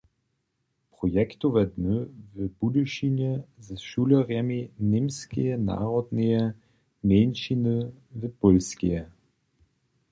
- projektowe dny w Budyšinje ze šulerjemi němskeje narodneje mjeńšiny w Pólskeje